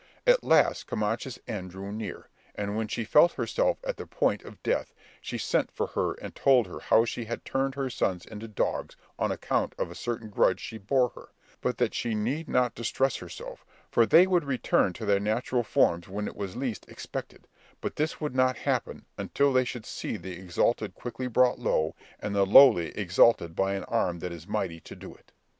At last Camacha's end drew near, and when she felt herself at the point of death, she sent for her and told her how she had turned her sons into dogs on account of a certain grudge she bore her, but that she need not distress herself, for they would return to their natural forms when it was least expected; but this would not happen 'until they shall see the exalted quickly brought low, and the lowly exalted by an arm that is mighty to do it.'